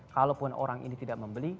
kalaupun orang ini tidak membeli